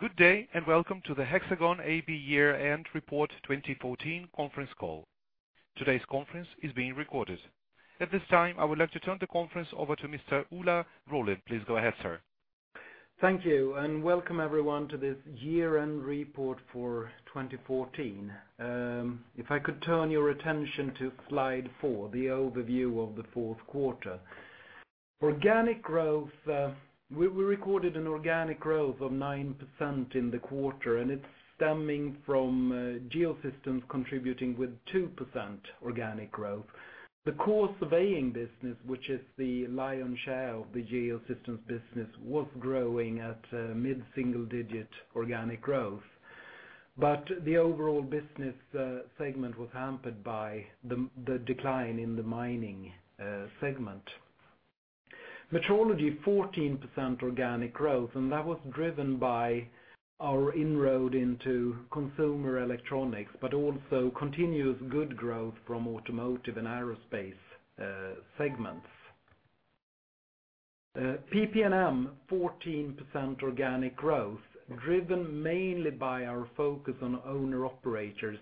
Good day, welcome to the Hexagon AB Year-End Report 2014 conference call. Today's conference is being recorded. At this time, I would like to turn the conference over to Mr. Ola Rollén. Please go ahead, sir. Thank you, welcome everyone to this Year-End Report for 2014. If I could turn your attention to slide four, the overview of the fourth quarter. We recorded an organic growth of 9% in the quarter, it's stemming from Geosystems contributing with 2% organic growth. The core surveying business, which is the lion's share of the Geosystems business, was growing at mid-single-digit organic growth. The overall business segment was hampered by the decline in the mining segment. Metrology, 14% organic growth, that was driven by our inroad into consumer electronics, but also continuous good growth from automotive and aerospace segments. PP&M, 14% organic growth, driven mainly by our focus on owner-operators,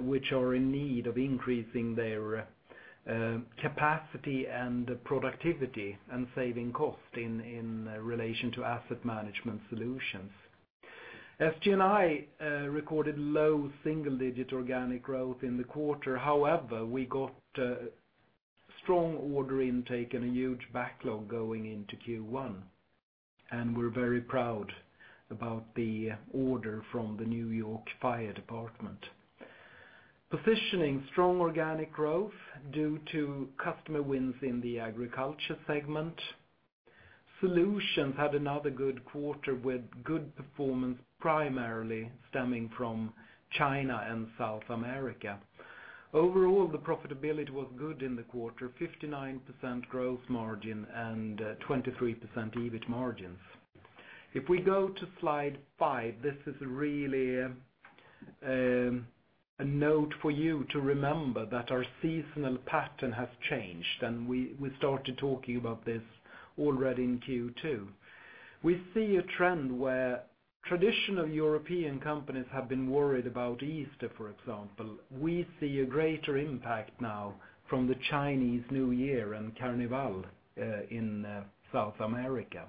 which are in need of increasing their capacity and productivity and saving cost in relation to asset management solutions. SG&I recorded low single-digit organic growth in the quarter. However, we got strong order intake and a huge backlog going into Q1, and we're very proud about the order from the New York Fire Department. Positioning, strong organic growth due to customer wins in the agriculture segment. Solutions had another good quarter with good performance, primarily stemming from China and South America. Overall, the profitability was good in the quarter, 59% growth margin and 23% EBIT margins. If we go to slide five, this is really a note for you to remember that our seasonal pattern has changed, we started talking about this already in Q2. We see a trend where traditional European companies have been worried about Easter, for example. We see a greater impact now from the Chinese New Year and Carnival in South America.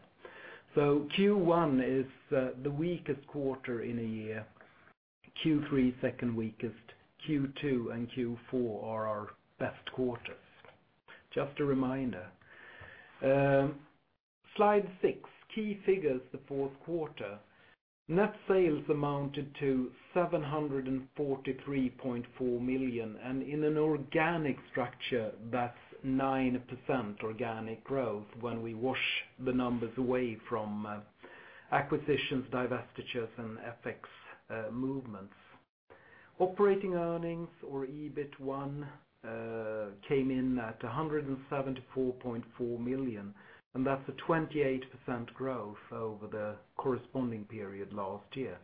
Q1 is the weakest quarter in a year, Q3 second weakest, Q2 and Q4 are our best quarters. Just a reminder. Slide six, key figures the fourth quarter. Net sales amounted to 743.4 million, in an organic structure, that's 9% organic growth when we wash the numbers away from acquisitions, divestitures, and FX movements. Operating earnings or EBIT1 came in at 174.4 million, that's a 28% growth over the corresponding period last year.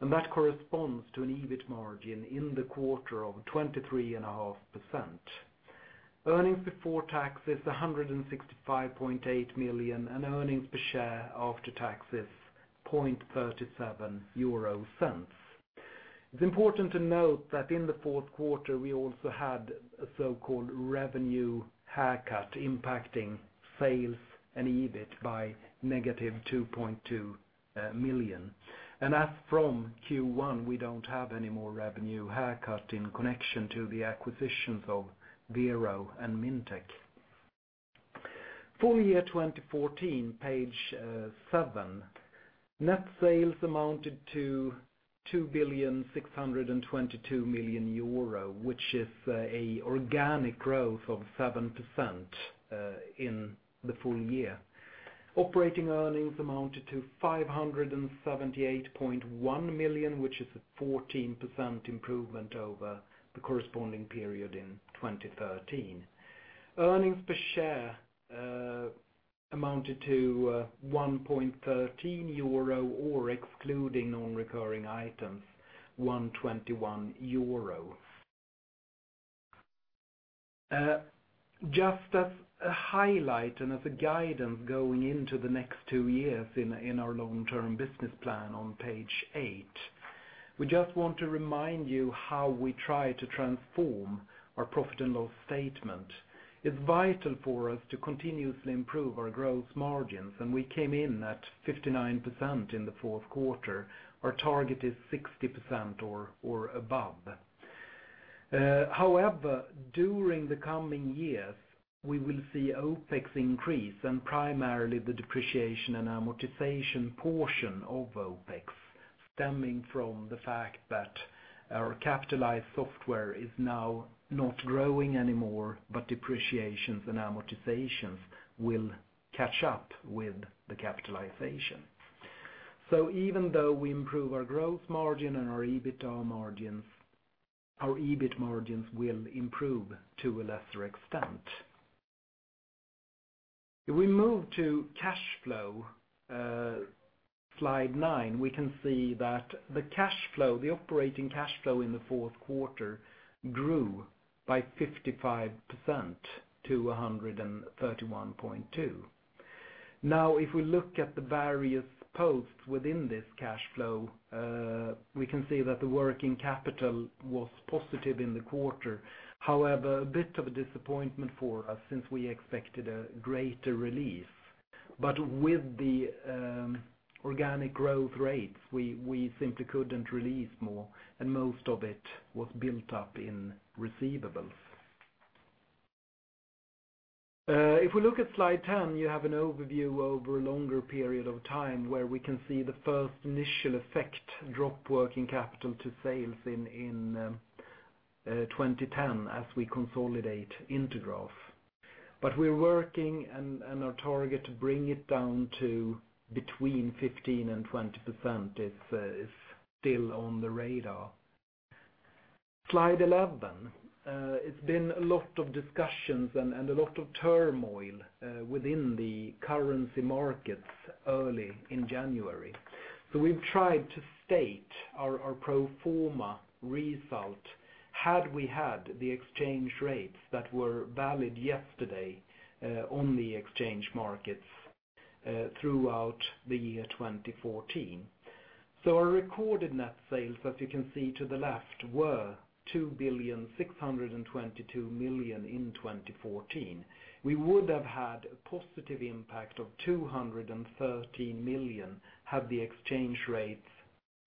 That corresponds to an EBIT margin in the quarter of 23.5%. Earnings before tax is 165.8 million, earnings per share after tax is 0.37. It's important to note that in the fourth quarter, we also had a so-called revenue haircut impacting sales and EBIT by negative 2.2 million. As from Q1, we don't have any more revenue haircut in connection to the acquisitions of Vero and Mintec. Full year 2014, page seven. Net sales amounted to 2,622,000,000 euro, which is an organic growth of 7% in the full year. Operating earnings amounted to 578.1 million, which is a 14% improvement over the corresponding period in 2013. Earnings per share amounted to 1.13 euro or excluding non-recurring items, 1.21 euro. Just as a highlight and as a guidance going into the next two years in our long-term business plan on page eight, we just want to remind you how we try to transform our profit and loss statement. It's vital for us to continuously improve our growth margins, and we came in at 59% in the fourth quarter. Our target is 60% or above. During the coming years, we will see OpEx increase and primarily the depreciation and amortization portion of OpEx stemming from the fact that our capitalized software is now not growing anymore, but depreciations and amortizations will catch up with the capitalization. Even though we improve our growth margin and our EBIT margins, our EBIT margins will improve to a lesser extent. If we move to cash flow, Slide nine, we can see that the operating cash flow in the fourth quarter grew by 55% to 131.2 million. Now, if we look at the various posts within this cash flow, we can see that the working capital was positive in the quarter. However, a bit of a disappointment for us since we expected a greater relief. But with the organic growth rates, we simply couldn't release more, and most of it was built up in receivables. If we look at Slide 10, you have an overview over a longer period of time where we can see the first initial effect drop working capital to sales in 2010 as we consolidate into growth. We're working, and our target to bring it down to between 15%-20% is still on the radar. Slide 11. It's been a lot of discussions and a lot of turmoil within the currency markets early in January. We've tried to state our pro forma result had we had the exchange rates that were valid yesterday on the exchange markets throughout the year 2014. Our recorded net sales, as you can see to the left, were 2,622,000,000 in 2014. We would have had a positive impact of 213 million had the exchange rates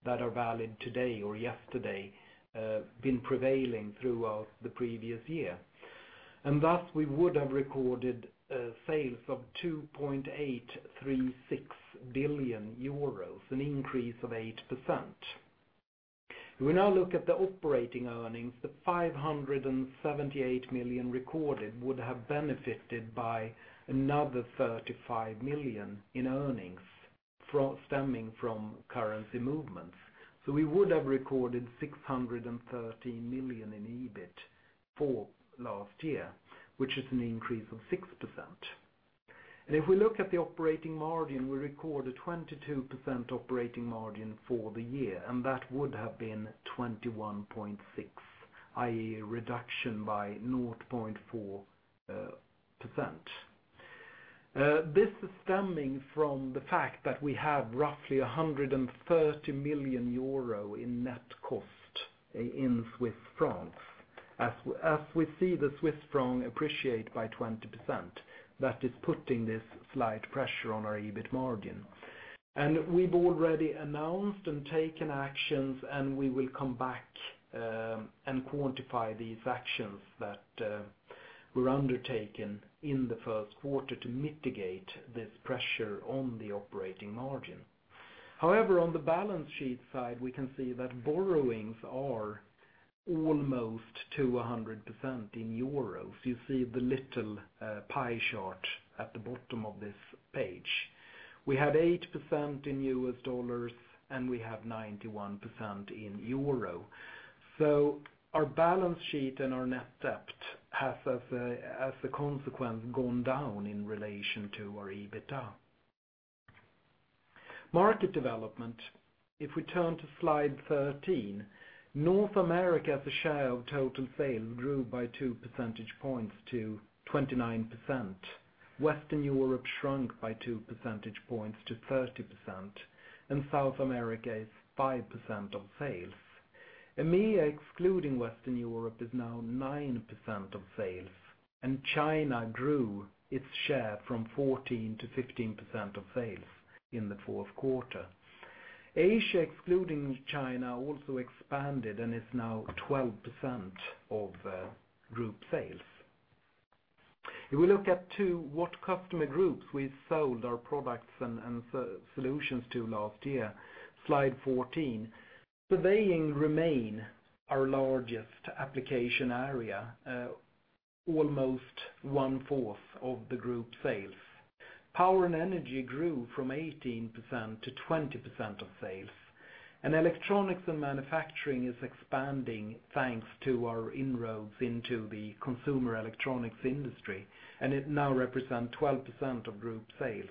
that are valid today or yesterday, been prevailing throughout the previous year. Thus, we would have recorded sales of 2.836 billion euros, an increase of 8%. If we now look at the operating earnings, the 578 million recorded would have benefited by another 35 million in earnings stemming from currency movements. We would have recorded 613 million in EBIT for last year, which is an increase of 6%. If we look at the operating margin, we record a 22% operating margin for the year, and that would have been 21.6%, a reduction by 0.4%. This is stemming from the fact that we have roughly 130 million euro in net cost in Swiss francs. As we see the Swiss franc appreciate by 20%, that is putting this slight pressure on our EBIT margin. We've already announced and taken actions, and we will come back and quantify these actions that were undertaken in the first quarter to mitigate this pressure on the operating margin. However, on the balance sheet side, we can see that borrowings are almost to 100% in EUR. You see the little pie chart at the bottom of this page. We had 8% in US dollars, and we have 91% in EUR. Our balance sheet and our net debt has, as a consequence, gone down in relation to our EBITDA. Market development. If we turn to slide 13, North America as a share of total sales grew by two percentage points to 29%. Western Europe shrunk by two percentage points to 30%, and South America is 5% of sales. EMEA, excluding Western Europe, is now 9% of sales. China grew its share from 14% to 15% of sales in the fourth quarter. Asia, excluding China, also expanded and is now 12% of group sales. If we look at what customer groups we sold our products and solutions to last year, slide 14. Surveying remain our largest application area, almost one-fourth of the group sales. Power and energy grew from 18% to 20% of sales. Electronics and manufacturing is expanding, thanks to our inroads into the consumer electronics industry, and it now represents 12% of group sales.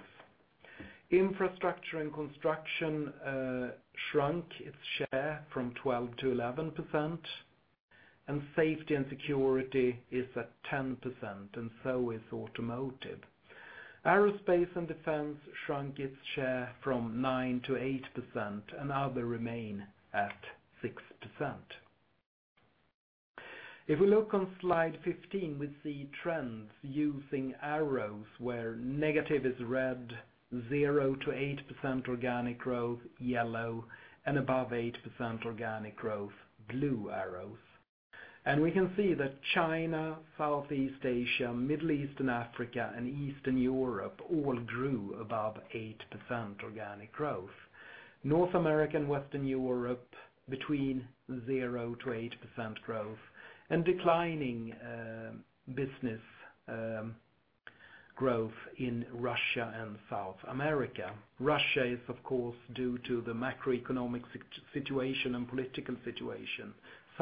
Infrastructure and construction shrunk its share from 12% to 11%, and safety and security is at 10%, and so is automotive. Aerospace and defense shrunk its share from 9% to 8%, and other remain at 6%. If we look on slide 15, we see trends using arrows where negative is red, 0%-8% organic growth, yellow, and above 8% organic growth, blue arrows. We can see that China, Southeast Asia, Middle East and Africa, and Eastern Europe all grew above 8% organic growth. North American, Western Europe, between 0%-8% growth, and declining business growth in Russia and South America. Russia is, of course, due to the macroeconomic situation and political situation.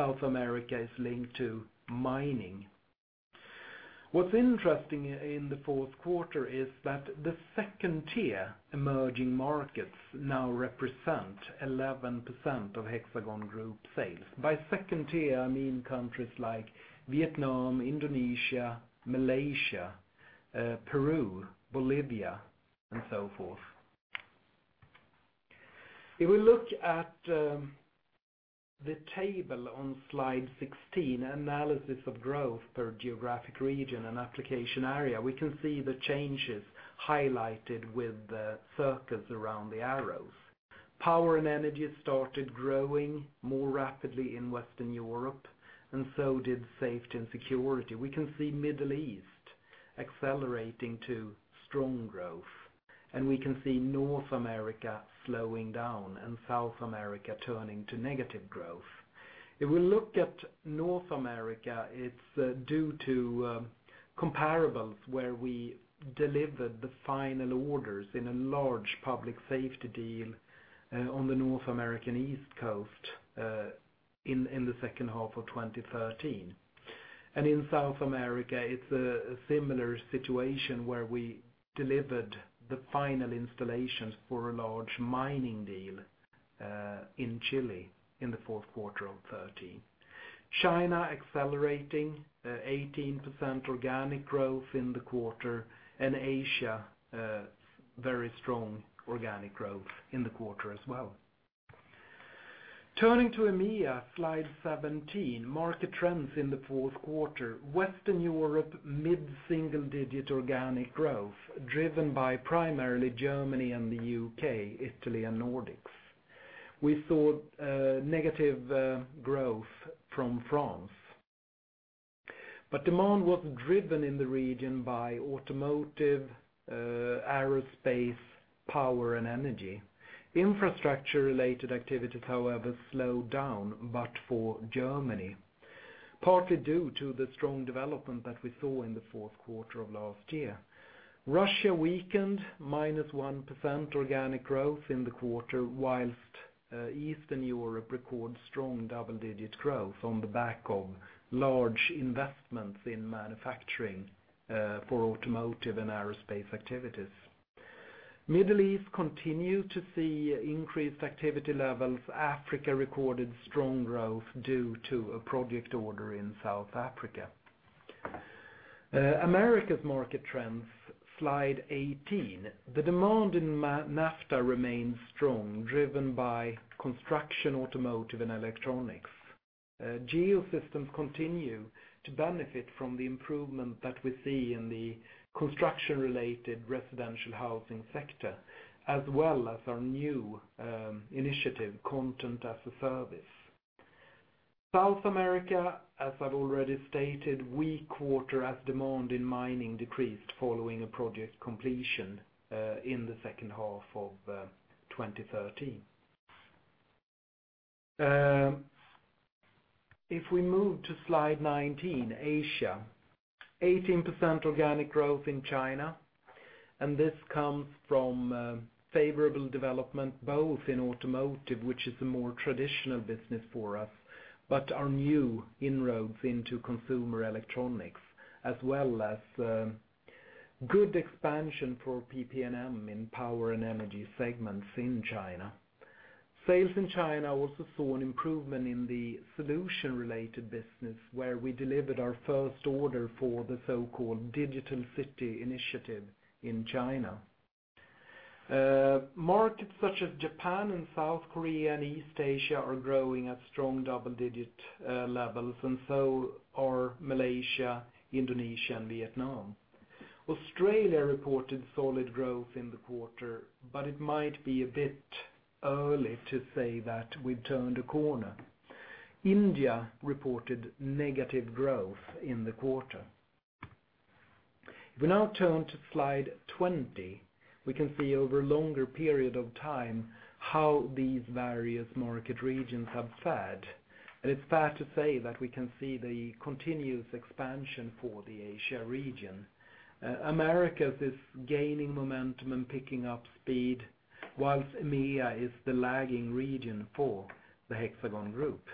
South America is linked to mining. What's interesting in the fourth quarter is that the second-tier emerging markets now represent 11% of Hexagon Group sales. By second-tier, I mean countries like Vietnam, Indonesia, Malaysia, Peru, Bolivia, and so forth. If we look at the table on slide 16, analysis of growth per geographic region and application area, we can see the changes highlighted with the circles around the arrows. Power and energy started growing more rapidly in Western Europe. So did safety and security. We can see Middle East accelerating to strong growth. We can see North America slowing down and South America turning to negative growth. If we look at North America, it's due to comparables where we delivered the final orders in a large public safety deal on the North American East Coast in the second half of 2013. In South America, it's a similar situation where we delivered the final installations for a large mining deal in Chile in the fourth quarter of 2013. China accelerating 18% organic growth in the quarter, and Asia, very strong organic growth in the quarter as well. Turning to EMEA, slide 17, market trends in the fourth quarter, Western Europe, mid-single digit organic growth driven by primarily Germany and the U.K., Italy and Nordics. We saw negative growth from France. Demand was driven in the region by automotive, aerospace, power and energy. Infrastructure-related activities, however, slowed down, but for Germany, partly due to the strong development that we saw in the fourth quarter of last year. Russia weakened, -1% organic growth in the quarter, whilst Eastern Europe records strong double-digit growth on the back of large investments in manufacturing for automotive and aerospace activities. Middle East continued to see increased activity levels. Africa recorded strong growth due to a project order in South Africa. Americas market trends, slide 18. The demand in NAFTA remains strong, driven by construction, automotive, and electronics. Geosystems continue to benefit from the improvement that we see in the construction-related residential housing sector, as well as our new initiative, Content-as-a-Service. South America, as I've already stated, weak quarter as demand in mining decreased following a project completion in the second half of 2013. If we move to slide 19, Asia, 18% organic growth in China. This comes from favorable development both in automotive, which is a more traditional business for us, but our new inroads into consumer electronics, as well as good expansion for PP&M in power and energy segments in China. Sales in China also saw an improvement in the solution-related business where we delivered our first order for the so-called Digital City initiative in China. Markets such as Japan and South Korea and East Asia are growing at strong double-digit levels. So are Malaysia, Indonesia, and Vietnam. Australia reported solid growth in the quarter, but it might be a bit early to say that we turned a corner. India reported negative growth in the quarter. If we now turn to slide 20, we can see over a longer period of time how these various market regions have fared. It's fair to say that we can see the continuous expansion for the Asia region. Americas is gaining momentum and picking up speed, whilst EMEA is the lagging region for the Hexagon Group.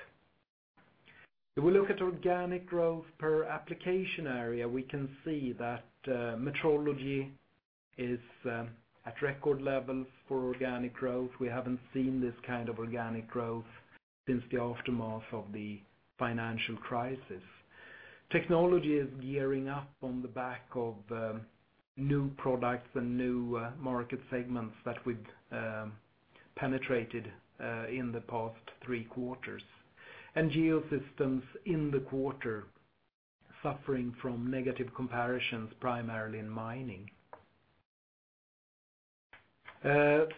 If we look at organic growth per application area, we can see that metrology is at record levels for organic growth. We haven't seen this kind of organic growth since the aftermath of the financial crisis. Technology is gearing up on the back of new products and new market segments that we've penetrated in the past three quarters. Geosystems in the quarter suffering from negative comparisons, primarily in mining.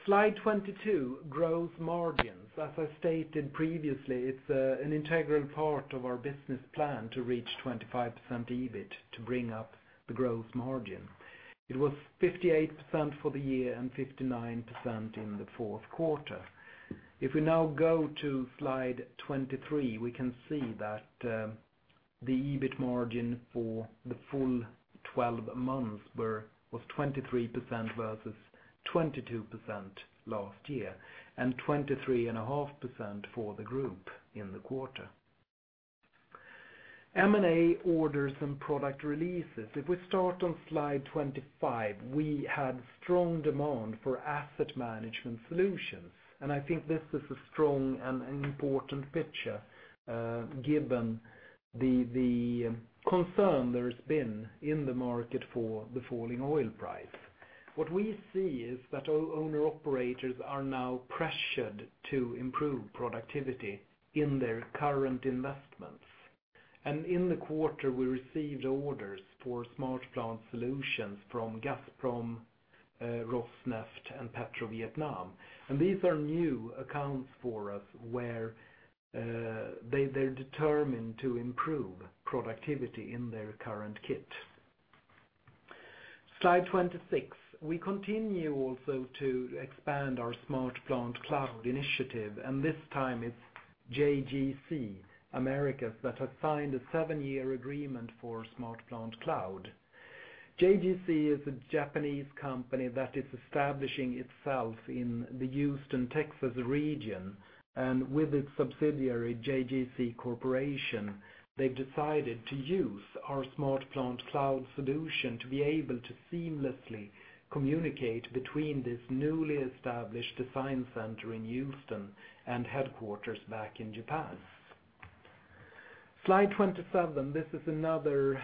Slide 22, growth margins. As I stated previously, it's an integral part of our business plan to reach 25% EBIT to bring up the growth margin. It was 58% for the year and 59% in the fourth quarter. If we now go to slide 23, we can see that the EBIT margin for the full 12 months was 23% versus 22% last year, and 23.5% for the group in the quarter. M&A orders and product releases. If we start on slide 25, we had strong demand for asset management solutions. I think this is a strong and important picture given the concern there has been in the market for the falling oil price. What we see is that owner operators are now pressured to improve productivity in their current investments. In the quarter, we received orders for SmartPlant solutions from Gazprom, Rosneft, and PetroVietnam. These are new accounts for us where they're determined to improve productivity in their current kit. Slide 26. We continue also to expand our SmartPlant Cloud initiative. This time it's JGC Americas that has signed a seven-year agreement for SmartPlant Cloud. JGC is a Japanese company that is establishing itself in the Houston, Texas region. With its subsidiary, JGC Corporation, they've decided to use our SmartPlant Cloud solution to be able to seamlessly communicate between this newly established design center in Houston and headquarters back in Japan. Slide 27. This is another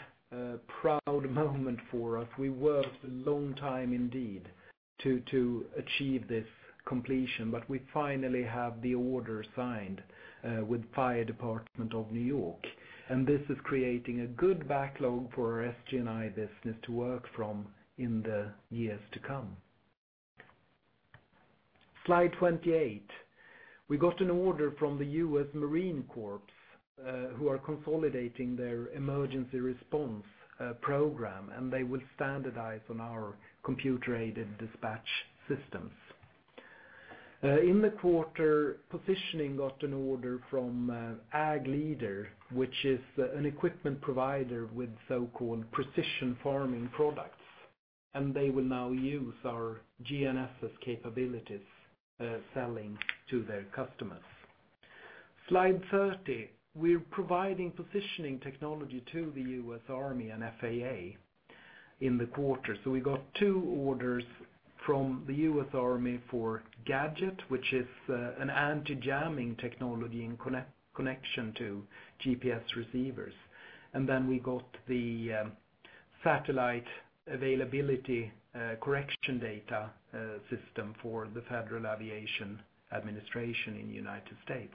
proud moment for us. We worked a long time indeed to achieve this completion, but we finally have the order signed with Fire Department of New York. This is creating a good backlog for our SG&I business to work from in the years to come. Slide 28. We got an order from the U.S. Marine Corps, who are consolidating their emergency response program. They will standardize on our computer-aided dispatch systems. In the quarter, positioning got an order from Ag Leader, which is an equipment provider with so-called precision farming products. They will now use our GNSS capabilities, selling to their customers. Slide 30. We're providing positioning technology to the U.S. Army and FAA in the quarter. We got two orders from the U.S. Army for Gadget, which is an anti-jamming technology in connection to GPS receivers. Then we got the satellite availability correction data system for the Federal Aviation Administration in the United States.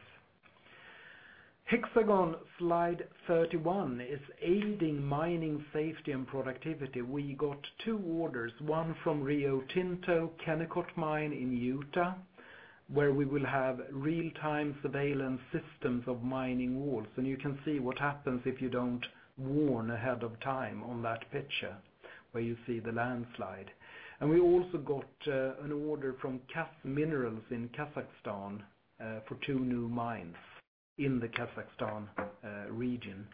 Hexagon, Slide 31, is aiding mining safety and productivity. We got two orders, one from Rio Tinto Kennecott Mine in Utah, where we will have real-time surveillance systems of mining walls. You can see what happens if you don't warn ahead of time on that picture where you see the landslide. We also got an order from KAZ Minerals in Kazakhstan for two new mines in the Kazakhstan region.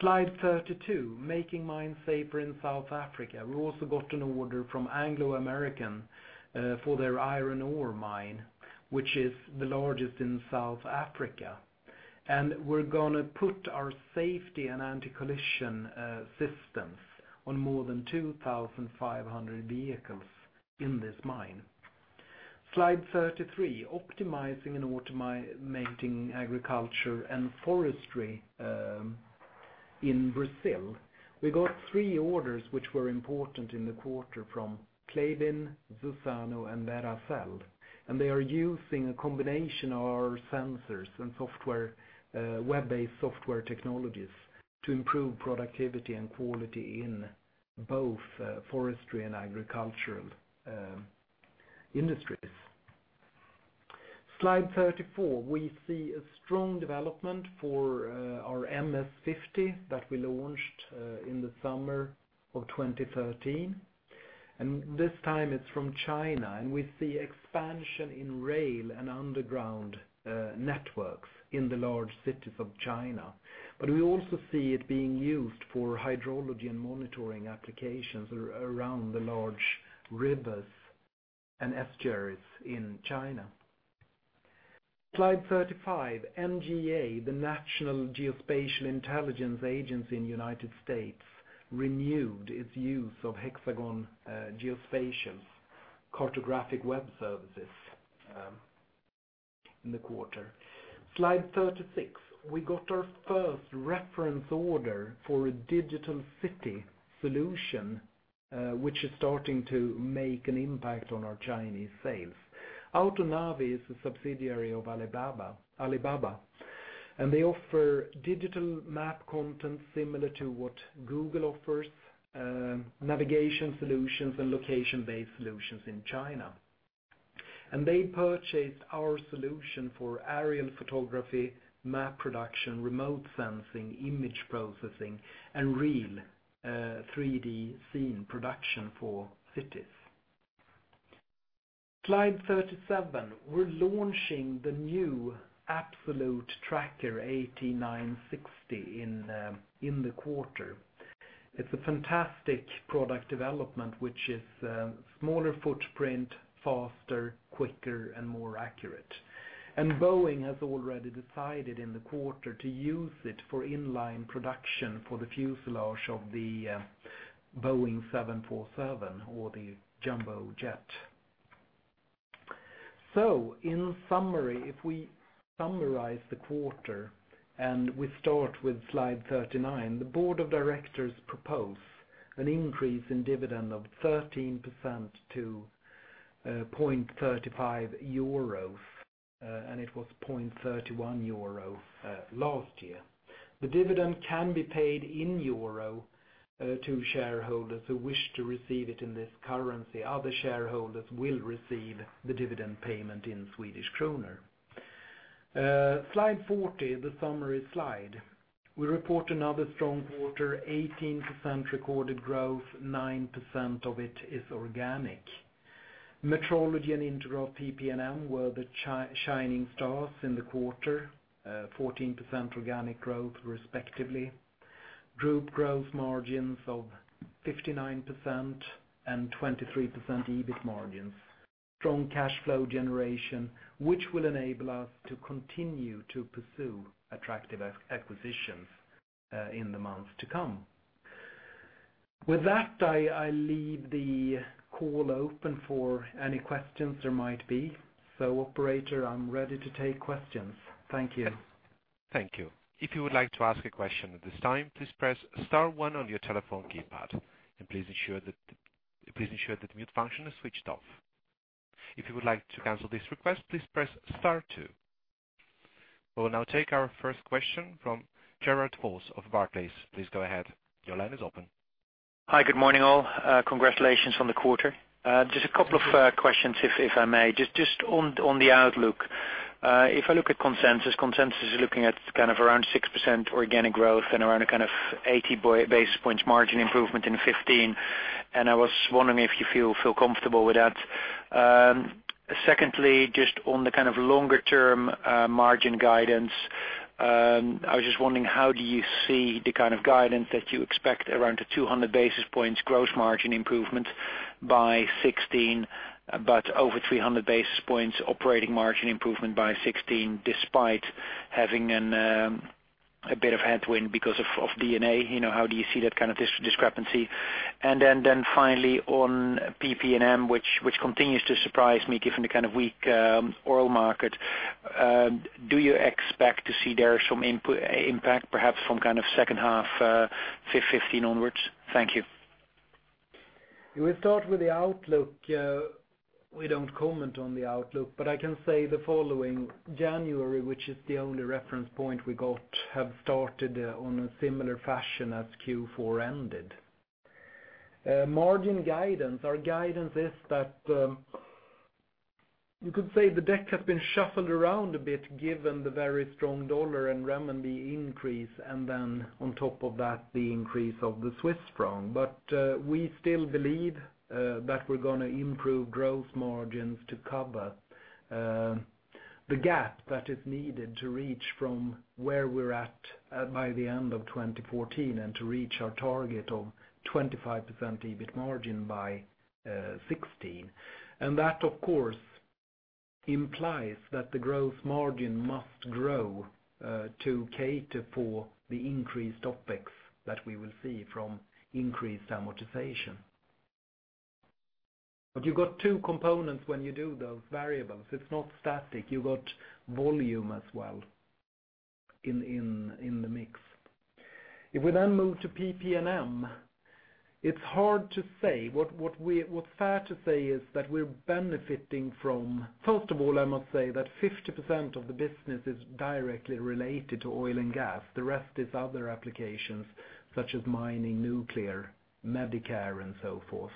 Slide 32, making mines safer in South Africa. We also got an order from Anglo American for their iron ore mine, which is the largest in South Africa. We're going to put our safety and anti-collision systems on more than 2,500 vehicles in this mine. Slide 33, optimizing and automating agriculture and forestry in Brazil. We got three orders which were important in the quarter from Klabin, Suzano, and Veracel. They are using a combination of our sensors and web-based software technologies to improve productivity and quality in both forestry and agricultural industries. Slide 34. We see a strong development for our MS50 that we launched in the summer of 2013. This time it's from China. We see expansion in rail and underground networks in the large cities of China. We also see it being used for hydrology and monitoring applications around the large rivers and estuaries in China. Slide 35. NGA, the National Geospatial-Intelligence Agency in the United States, renewed its use of Hexagon Geospatial's cartographic web services in the quarter. Slide 36. We got our first reference order for a Digital City solution, which is starting to make an impact on our Chinese sales. AutoNavi is a subsidiary of Alibaba. They offer digital map content similar to what Google offers, navigation solutions, and location-based solutions in China. They purchased our solution for aerial photography, map production, remote sensing, image processing, and real 3D scene production for cities. Slide 37. We are launching the new Absolute Tracker AT960 in the quarter. It is a fantastic product development, which is smaller footprint, faster, quicker, and more accurate. Boeing has already decided in the quarter to use it for in-line production for the fuselage of the Boeing 747, or the Jumbo Jet. In summary, if we summarize the quarter and we start with Slide 39, the board of directors propose an increase in dividend of 13% to 0.35 euros, and it was 0.31 euro last year. The dividend can be paid in euro to shareholders who wish to receive it in this currency. Other shareholders will receive the dividend payment in Swedish krona. Slide 40, the summary slide. We report another strong quarter, 18% recorded growth, 9% of it is organic. Metrology and Intergraph PP&M were the shining stars in the quarter, 14% organic growth respectively. Group growth margins of 59% and 23% EBIT margins. Strong cash flow generation, which will enable us to continue to pursue attractive acquisitions in the months to come. With that, I leave the call open for any questions there might be. Operator, I am ready to take questions. Thank you. Thank you. If you would like to ask a question at this time, please press star one on your telephone keypad and please ensure that mute function is switched off. If you would like to cancel this request, please press star two. We will now take our first question from Gerard Volz of Barclays. Please go ahead. Your line is open. Hi, good morning, all. Congratulations on the quarter. Just a couple of questions, if I may. Just on the outlook. If I look at consensus is looking at around 6% organic growth and around 80 basis points margin improvement in 2015, and I was wondering if you feel comfortable with that. Secondly, just on the longer-term margin guidance, I was just wondering, how do you see the kind of guidance that you expect around a 200 basis points gross margin improvement by 2016, but over 300 basis points operating margin improvement by 2016, despite having a bit of headwind because of D&A? How do you see that kind of discrepancy? Then finally on PP&M, which continues to surprise me given the kind of weak oil market, do you expect to see there some impact, perhaps from second half 2015 onwards? Thank you. We start with the outlook. We don't comment on the outlook. I can say the following: January, which is the only reference point we got, have started on a similar fashion as Q4 ended. Margin guidance. Our guidance is that you could say the deck has been shuffled around a bit given the very strong U.S. dollar and renminbi increase, and then on top of that, the increase of the Swiss franc. We still believe that we're going to improve growth margins to cover the gap that is needed to reach from where we're at by the end of 2014 and to reach our target of 25% EBIT margin by 2016. That, of course, implies that the growth margin must grow to cater for the increased OpEx that we will see from increased amortization. You've got two components when you do those variables. It's not static. You got volume as well in the mix. We then move to PP&M, it's hard to say. What's fair to say is that we're benefiting from. First of all, I must say that 50% of the business is directly related to oil and gas. The rest is other applications such as mining, nuclear, [inaudible] and so forth.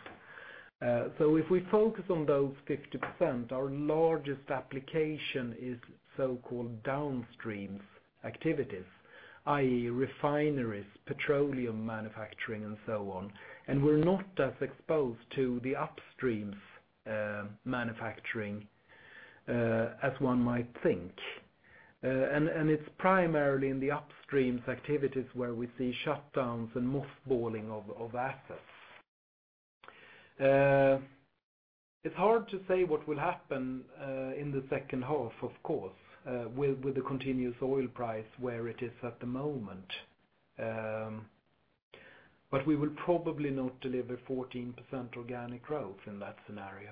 If we focus on those 50%, our largest application is so-called downstream activities, i.e. refineries, petroleum manufacturing, and so on, and we're not as exposed to the upstream manufacturing as one might think. It's primarily in the upstream activities where we see shutdowns and mothballing of assets. It's hard to say what will happen in the second half, of course, with the continuous oil price where it is at the moment. We will probably not deliver 14% organic growth in that scenario.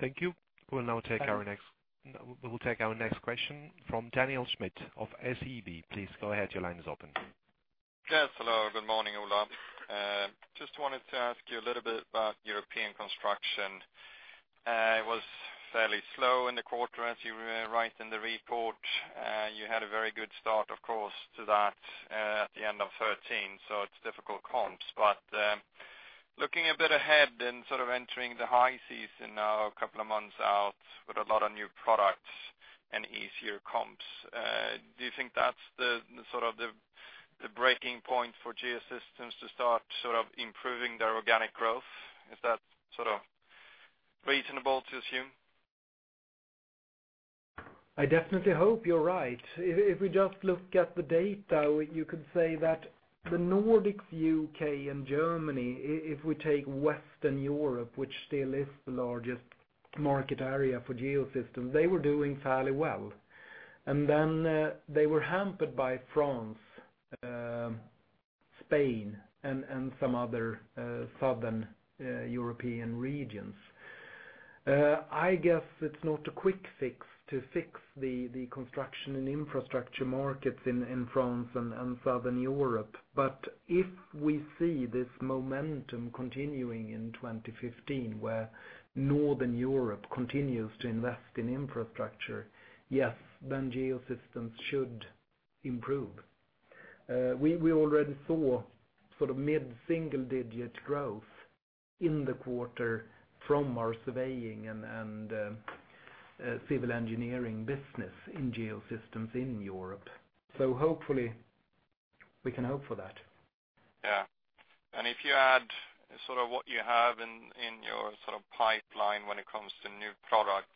Thank you. We'll now take our next question from Daniel Schmidt of SEB. Please go ahead, your line is open. Yes, hello. Good morning, Ola. Just wanted to ask you a little bit about European construction. It was fairly slow in the quarter as you write in the report. You had a very good start, of course, to that at the end of 2013. It's difficult comps. Looking a bit ahead and sort of entering the high season now a couple of months out with a lot of new products and easier comps. Do you think that's the breaking point for Geosystems to start improving their organic growth? Is that reasonable to assume? I definitely hope you're right. If we just look at the data, you could say that the Nordics, U.K., and Germany, if we take Western Europe, which still is the largest market area for Geosystems, they were doing fairly well. They were hampered by France, Spain, and some other southern European regions. I guess it's not a quick fix to fix the construction and infrastructure markets in France and Southern Europe. If we see this momentum continuing in 2015, where Northern Europe continues to invest in infrastructure, yes, then Geosystems should improve. We already saw mid-single-digit growth in the quarter from our surveying and civil engineering business in Geosystems in Europe. Hopefully, we can hope for that. Yeah. If you add what you have in your pipeline when it comes to new products,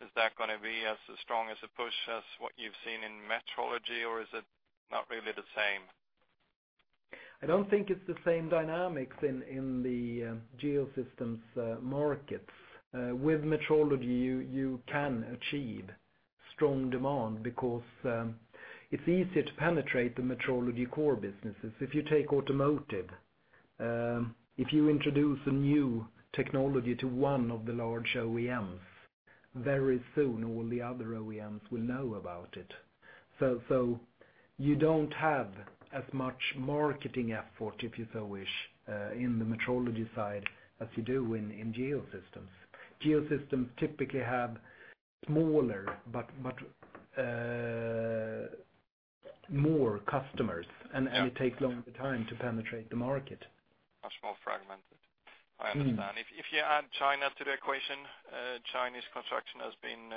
is that going to be as strong as a push as what you've seen in metrology, or is it not really the same? I don't think it's the same dynamics in the Geosystems markets. With metrology, you can achieve strong demand because it's easier to penetrate the metrology core businesses. If you take automotive, if you introduce a new technology to one of the large OEMs, very soon all the other OEMs will know about it. You don't have as much marketing effort, if you so wish, in the metrology side as you do in Geosystems. Geosystems typically have smaller, but more customers, and it takes longer time to penetrate the market. Much more fragmented. I understand. If you add China to the equation, Chinese construction has been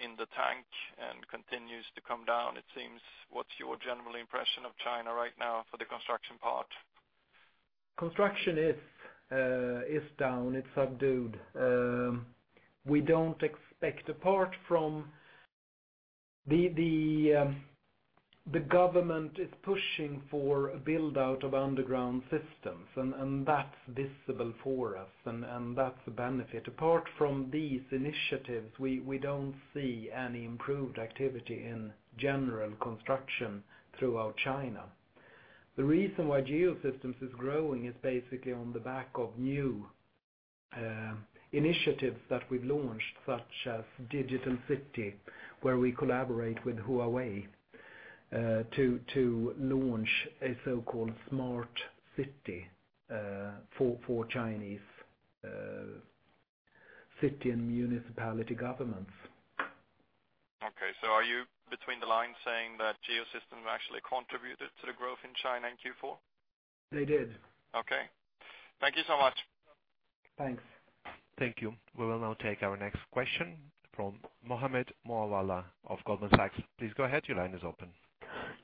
in the tank and continues to come down, it seems. What's your general impression of China right now for the construction part? Construction is down. It's subdued. Apart from the government is pushing for a build-out of underground systems, and that's visible for us, and that's a benefit. Apart from these initiatives, we don't see any improved activity in general construction throughout China. The reason why Geosystems is growing is basically on the back of new initiatives that we've launched, such as Digital City, where we collaborate with Huawei to launch a so-called smart city for Chinese city and municipality governments. Okay. Are you between the lines saying that Geosystems actually contributed to the growth in China in Q4? They did. Okay. Thank you so much. Thanks. Thank you. We will now take our next question from Mohammed Moawalla of Goldman Sachs. Please go ahead. Your line is open.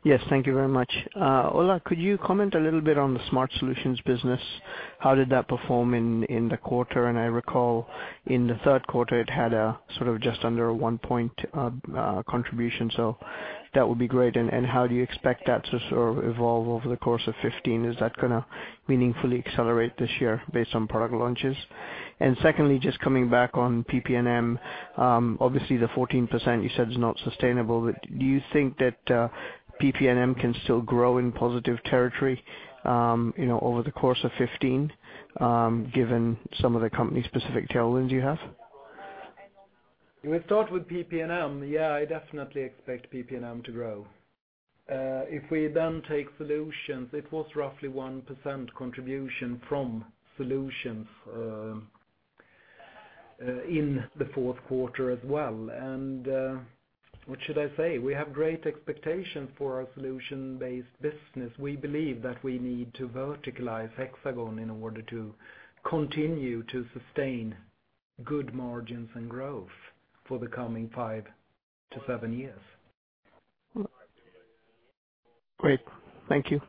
Yes, thank you very much. Ola, could you comment a little bit on the smart solutions business? How did that perform in the quarter? I recall in the third quarter, it had just under a one-point contribution, so that would be great. How do you expect that to evolve over the course of 2015? Is that going to meaningfully accelerate this year based on product launches? Secondly, just coming back on PP&M. Obviously, the 14% you said is not sustainable. Do you think that PP&M can still grow in positive territory over the course of 2015, given some of the company's specific tailwinds you have? We start with PP&M. Yeah, I definitely expect PP&M to grow. If we then take solutions, it was roughly 1% contribution from solutions in the fourth quarter as well. What should I say? We have great expectation for our solution-based business. We believe that we need to verticalize Hexagon in order to continue to sustain good margins and growth for the coming five to seven years. Great. Thank you.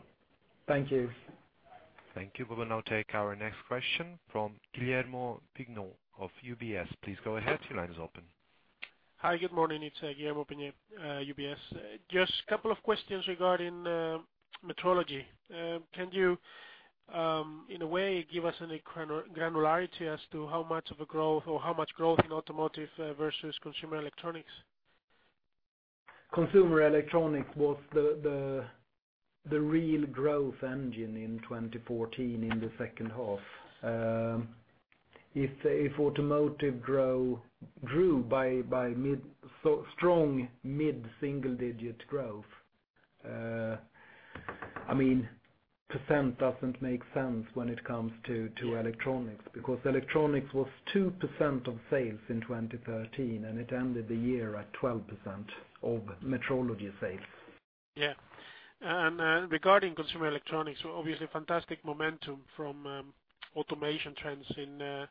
Thank you. Thank you. We will now take our next question from Guillermo Peigneux of UBS. Please go ahead. Your line is open. Hi, good morning. It's Guillermo Peigneux, UBS. Just a couple of questions regarding metrology. Can you, in a way, give us any granularity as to how much growth in automotive versus consumer electronics? Consumer electronics was the real growth engine in 2014 in the second half. If automotive grew by strong mid-single-digit growth, percent doesn't make sense when it comes to electronics, because electronics was 2% of sales in 2013, and it ended the year at 12% of metrology sales. Yeah. Regarding consumer electronics, obviously fantastic momentum from automation trends in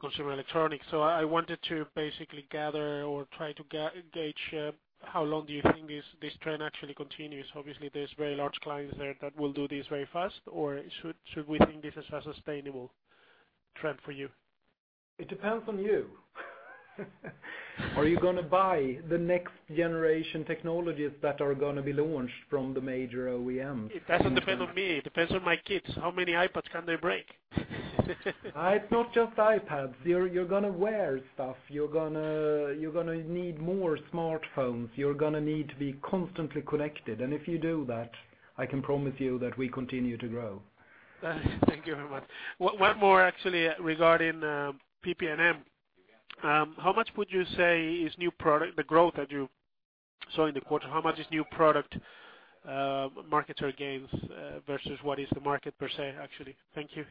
consumer electronics. I wanted to basically gather or try to gauge how long do you think this trend actually continues? Obviously, there's very large clients there that will do this very fast. Should we think this is a sustainable trend for you? It depends on you. Are you going to buy the next generation technologies that are going to be launched from the major OEMs? It doesn't depend on me. It depends on my kids. How many iPads can they break? It's not just iPads. You're going to wear stuff. You're going to need more smartphones. You're going to need to be constantly connected. If you do that, I can promise you that we continue to grow. Thank you very much. One more actually regarding PP&M. How much would you say is new product, the growth that you saw in the quarter, how much is new product market or gains, versus what is the market per se, actually? Thank you.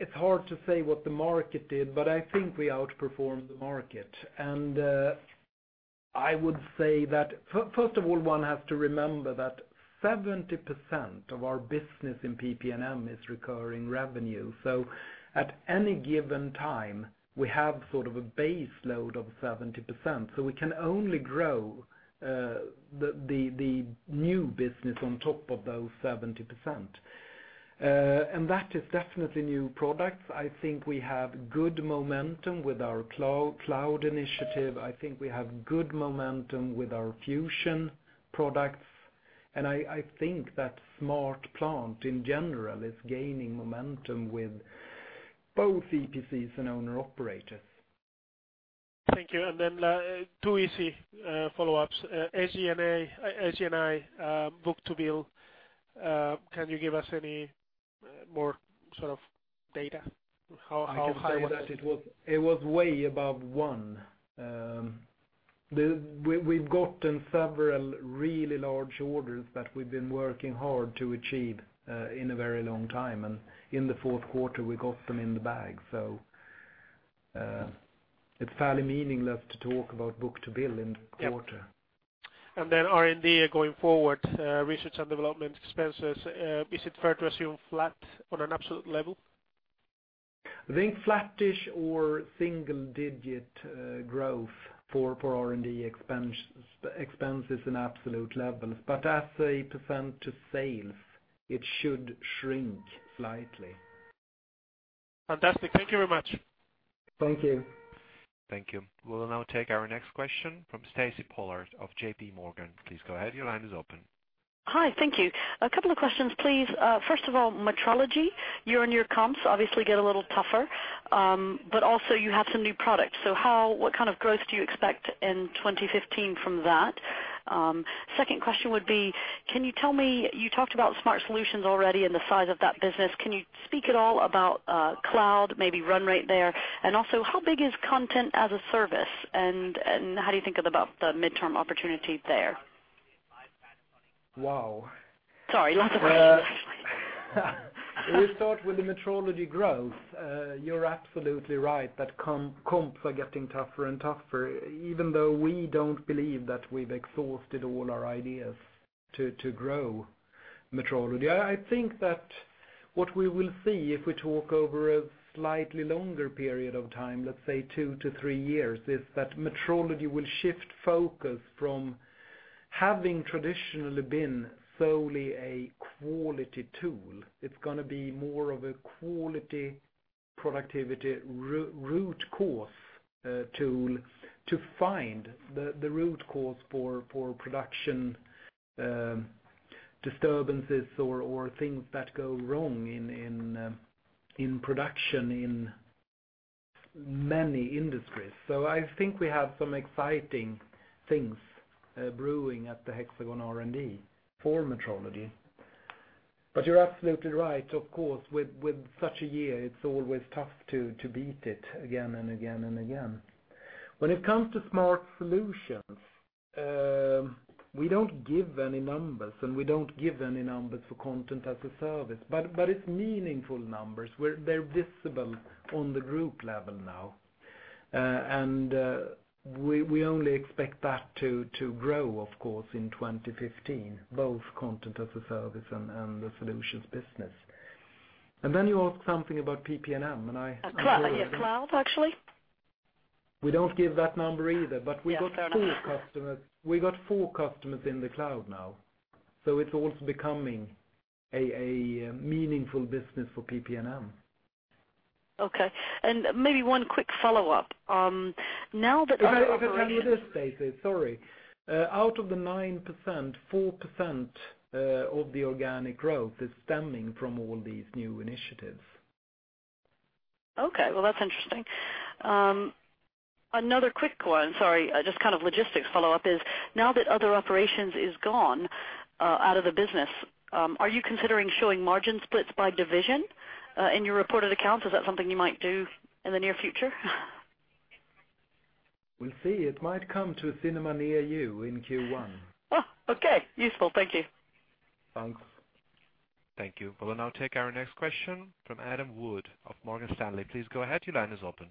It's hard to say what the market did, I think we outperformed the market. I would say that, first of all, one has to remember that 70% of our business in PP&M is recurring revenue. At any given time, we have sort of a base load of 70%, we can only grow the new business on top of those 70%. That is definitely new products. I think we have good momentum with our cloud initiative. I think we have good momentum with our fusion products, I think that SmartPlant, in general, is gaining momentum with both EPCs and owner operators. Thank you, then two easy follow-ups. SG&I book-to-bill, can you give us any more sort of data? How high was it? I can say that it was way above one. We've gotten several really large orders that we've been working hard to achieve in a very long time, in the fourth quarter we got them in the bag. It's fairly meaningless to talk about book-to-bill in the quarter. Yeah. Then R&D going forward, research and development expenses, is it fair to assume flat on an absolute level? I think flattish or single-digit growth for R&D expenses in absolute levels. As a % to sales, it should shrink slightly. Fantastic. Thank you very much. Thank you. Thank you. We will now take our next question from Stacy Pollard of J.P. Morgan. Please go ahead. Your line is open. Hi. Thank you. A couple of questions, please. First of all, metrology. Year-on-year comps obviously get a little tougher. Also you have some new products. What kind of growth do you expect in 2015 from that? Second question would be, can you tell me, you talked about smart solutions already and the size of that business, can you speak at all about cloud, maybe run rate there? Also, how big is Content-as-a-Service, and how do you think about the midterm opportunity there? Wow. Sorry, lots of questions. We'll start with the metrology growth. You're absolutely right that comps are getting tougher and tougher, even though we don't believe that we've exhausted all our ideas to grow metrology. I think that what we will see if we talk over a slightly longer period of time, let's say two to three years, is that metrology will shift focus from having traditionally been solely a quality tool. It's going to be more of a quality productivity root cause tool to find the root cause for production disturbances or things that go wrong in production in many industries. I think we have some exciting things brewing at the Hexagon R&D for metrology. You're absolutely right, of course, with such a year, it's always tough to beat it again and again. When it comes to smart solutions, we don't give any numbers, and we don't give any numbers for Content-as-a-Service, but it's meaningful numbers. They're visible on the group level now. We only expect that to grow, of course, in 2015, both Content-as-a-Service and the solutions business. Then you asked something about PP&M. Cloud, actually. We don't give that number either. Yeah, fair enough. We got four customers in the cloud now. It's also becoming a meaningful business for PP&M. Okay. Maybe one quick follow-up. Now that other operations- If I tell you this, Stacy, sorry. Out of the 9%, 4% of the organic growth is stemming from all these new initiatives. Okay. Well, that's interesting. Another quick one, sorry, just kind of logistics follow-up is, now that other operations is gone out of the business, are you considering showing margin splits by division in your reported accounts? Is that something you might do in the near future? We'll see. It might come to a cinema near you in Q1. Oh, okay. Useful. Thank you. Thanks. Thank you. We'll now take our next question from Adam Wood of Morgan Stanley. Please go ahead. Your line is open.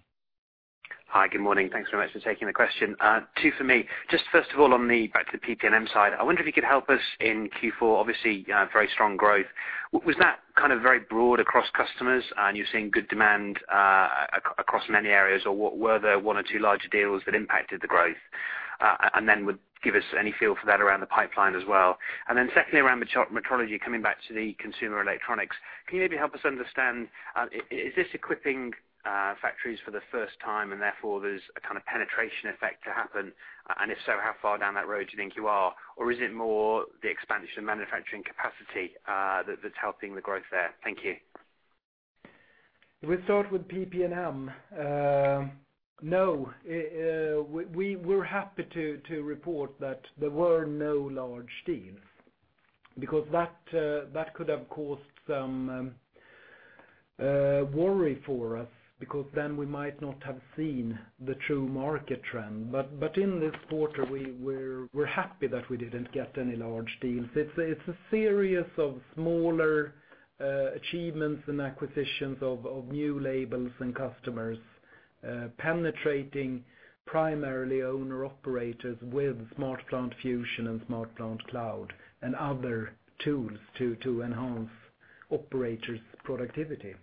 Hi. Good morning. Thanks very much for taking the question. Two for me. Just first of all, back to the PP&M side, I wonder if you could help us in Q4, obviously very strong growth. Was that very broad across customers, and you're seeing good demand across many areas, or were there one or two larger deals that impacted the growth? Would give us any feel for that around the pipeline as well. Secondly, around metrology, coming back to the consumer electronics, can you maybe help us understand, is this equipping factories for the first time, and therefore there's a kind of penetration effect to happen, and if so, how far down that road do you think you are? Or is it more the expansion of manufacturing capacity that's helping the growth there? Thank you. We start with PP&M. We're happy to report that there were no large deals, because that could have caused some worry for us because then we might not have seen the true market trend. In this quarter, we're happy that we didn't get any large deals. It's a series of smaller achievements and acquisitions of new labels and customers penetrating primarily owner operators with SmartPlant Fusion and SmartPlant Cloud, and other tools to enhance operators' productivity.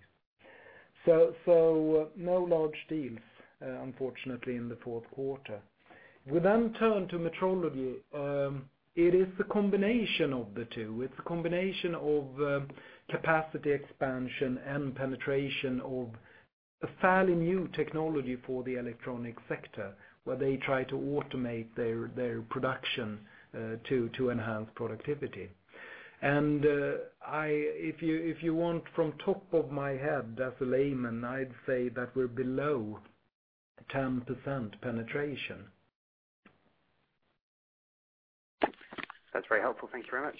No large deals, unfortunately, in the fourth quarter. We turn to metrology. It is a combination of the two. It's a combination of capacity expansion and penetration of a fairly new technology for the electronic sector, where they try to automate their production to enhance productivity. If you want from top of my head as a layman, I'd say that we're below 10% penetration. That's very helpful. Thank you very much.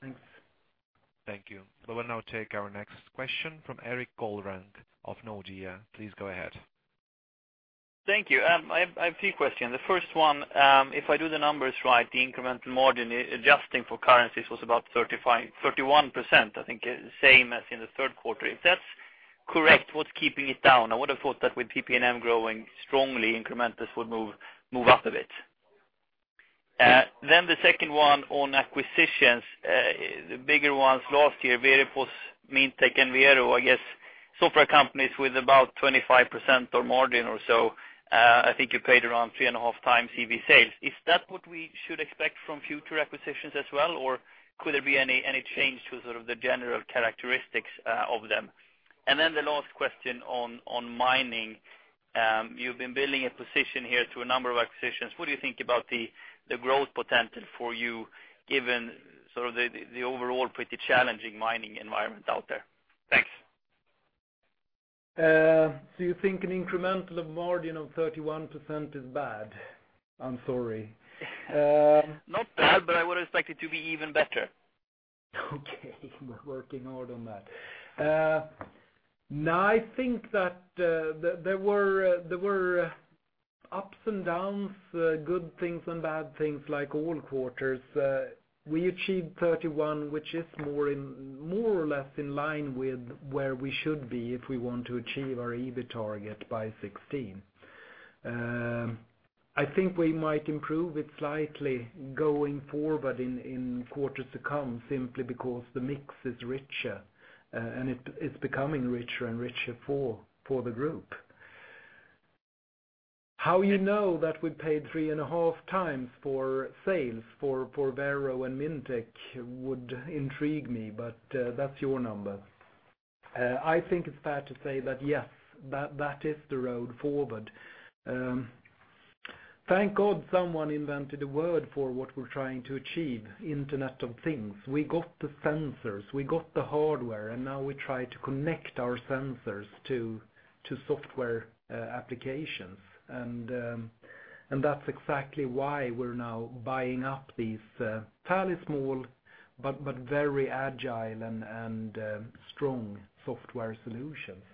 Thanks. Thank you. We will now take our next question from Erik Golrang of Nordea. Please go ahead. Thank you. I have three questions. The first one, if I do the numbers right, the incremental margin, adjusting for currencies, was about 31%, I think same as in the third quarter. If that's correct, what's keeping it down? The second one on acquisitions, the bigger ones last year, Veripos, Mintec, and Vero, I guess, software companies with about 25% of margin or so. I think you paid around three and a half times EBIT sales. Is that what we should expect from future acquisitions as well, or could there be any change to sort of the general characteristics of them? The last question on mining. You've been building a position here through a number of acquisitions. What do you think about the growth potential for you given the overall pretty challenging mining environment out there? Thanks. You think an incremental of margin of 31% is bad? I'm sorry. Not bad, I would expect it to be even better. Okay. We're working hard on that. No, I think that there were ups and downs, good things and bad things like all quarters. We achieved 31, which is more or less in line with where we should be if we want to achieve our EBIT target by 2016. I think we might improve it slightly going forward in quarters to come simply because the mix is richer, and it's becoming richer and richer for the group. How you know that we paid three and a half times for sales for Vero and Mintec would intrigue me, but that's your number. I think it's fair to say that, yes, that is the road forward. Thank God someone invented a word for what we're trying to achieve, Internet of Things. We got the sensors, we got the hardware, and now we try to connect our sensors to software applications. That's exactly why we're now buying up these fairly small but very agile and strong software solutions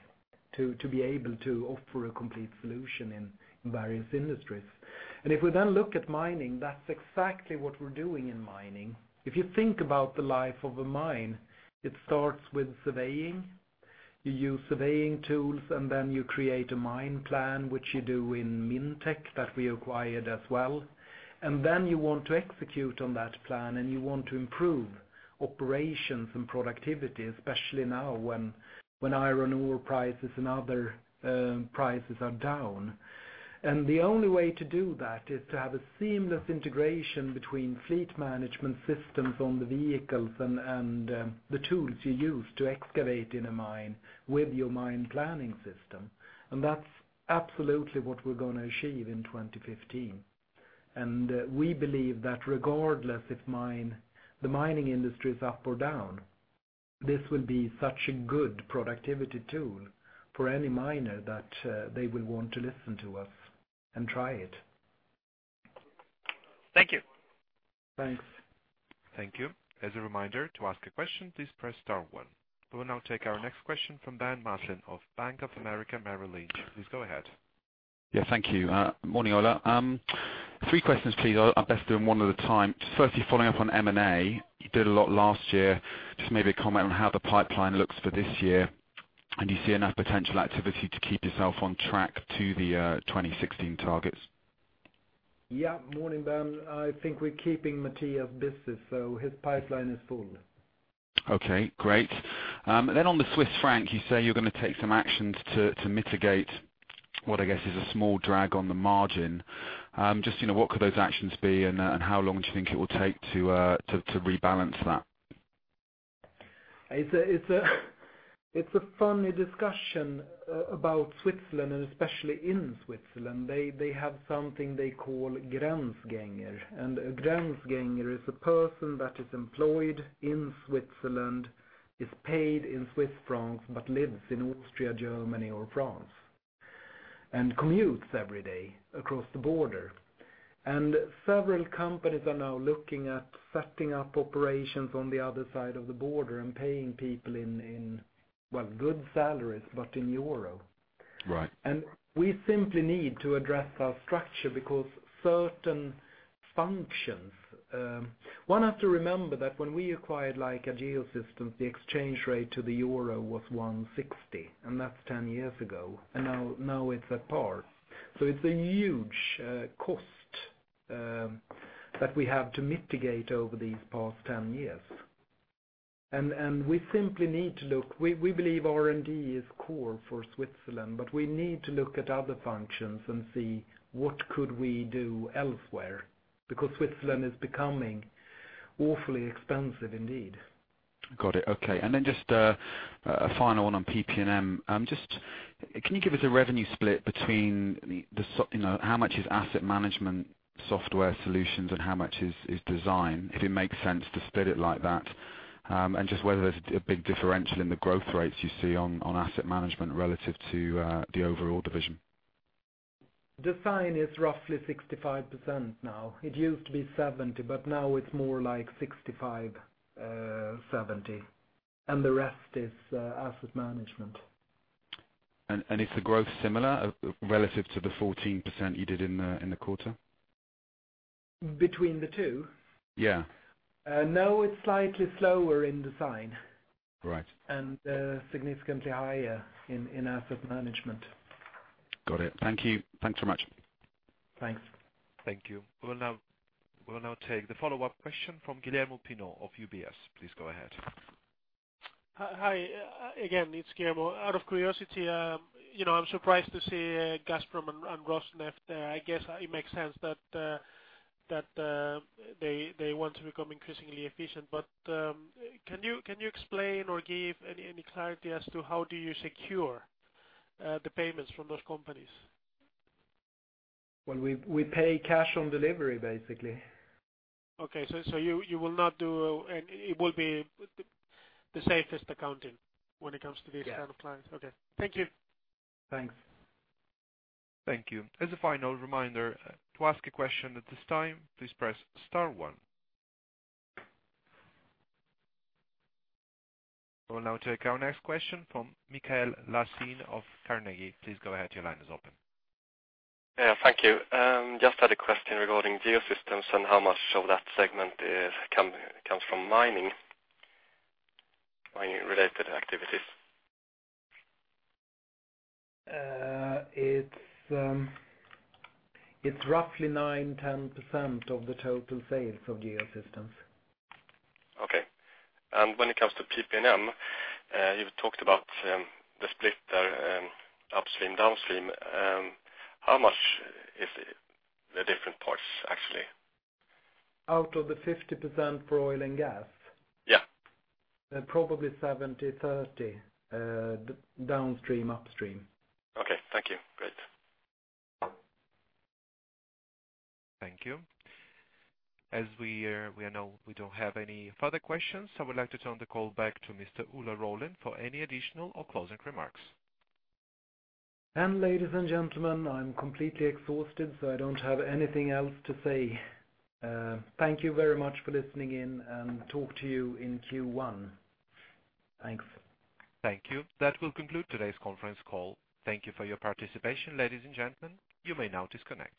to be able to offer a complete solution in various industries. If we then look at mining, that's exactly what we're doing in mining. If you think about the life of a mine, it starts with surveying. Then you create a mine plan, which you do in Mintec that we acquired as well. Then you want to execute on that plan, and you want to improve operations and productivity, especially now when iron ore prices and other prices are down. The only way to do that is to have a seamless integration between fleet management systems on the vehicles and the tools you use to excavate in a mine with your mine planning system. That's absolutely what we're going to achieve in 2015. We believe that regardless if the mining industry is up or down, this will be such a good productivity tool for any miner that they will want to listen to us and try it. Thank you. Thanks. Thank you. As a reminder, to ask a question, please press star one. We will now take our next question from Ben Maslen of Bank of America Merrill Lynch. Please go ahead. Yeah. Thank you. Morning, Ola. Three questions, please. I will ask them one at a time. Firstly, following up on M&A, you did a lot last year. Just maybe a comment on how the pipeline looks for this year. Do you see enough potential activity to keep yourself on track to the 2016 targets? Yeah. Morning, Ben. I think we are keeping Mattias busy, so his pipeline is full. Okay, great. On the Swiss franc, you say you are going to take some actions to mitigate what I guess is a small drag on the margin. Just what could those actions be and how long do you think it will take to rebalance that? It is a funny discussion about Switzerland and especially in Switzerland. They have something they call Grenzgänger. A Grenzgänger is a person that is employed in Switzerland, is paid in Swiss francs, but lives in Austria, Germany, or France, and commutes every day across the border. Several companies are now looking at setting up operations on the other side of the border and paying people good salaries, but in euro. Right. We simply need to address our structure because certain functions. One has to remember that when we acquired Geosystems, the exchange rate to the EUR was 1.60, and that's 10 years ago, and now it's at par. It's a huge cost that we have to mitigate over these past 10 years. We believe R&D is core for Switzerland, but we need to look at other functions and see what could we do elsewhere, because Switzerland is becoming awfully expensive indeed. Got it. Okay. Just a final one on PP&M. Just can you give us a revenue split between how much is asset management software solutions and how much is design, if it makes sense to split it like that? Just whether there's a big differential in the growth rates you see on asset management relative to the overall division. Design is roughly 65% now. It used to be 70%, but now it's more like 65%-70%, the rest is asset management. Is the growth similar relative to the 14% you did in the quarter? Between the two? Yeah. No, it's slightly slower in design. Right. Significantly higher in asset management. Got it. Thank you. Thanks so much. Thanks. Thank you. We will now take the follow-up question from Guillermo Peigneux of UBS. Please go ahead. Hi, again, it's Guillermo. Out of curiosity, I'm surprised to see Gazprom and Rosneft. I guess it makes sense that they want to become increasingly efficient. Can you explain or give any clarity as to how do you secure the payments from those companies? Well, we pay cash on delivery, basically. Okay, it will be the safest accounting when it comes to these kind of clients. Yeah. Okay. Thank you. Thanks. Thank you. As a final reminder, to ask a question at this time, please press star one. We will now take our next question from Mikael Laséen of Carnegie. Please go ahead, your line is open. Yeah, thank you. Just had a question regarding Geosystems and how much of that segment comes from mining-related activities. It's roughly nine, 10% of the total sales of Geosystems. Okay. When it comes to PP&M, you've talked about the split there, upstream, downstream. How much is the different parts, actually? Out of the 50% for oil and gas? Yeah. Probably 70/30, downstream, upstream. Okay. Thank you. Great. Thank you. As we know we don't have any further questions, I would like to turn the call back to Mr. Ola Rollén for any additional or closing remarks. Ladies and gentlemen, I'm completely exhausted, so I don't have anything else to say. Thank you very much for listening in, and talk to you in Q1. Thanks. Thank you. That will conclude today's conference call. Thank you for your participation, ladies and gentlemen. You may now disconnect.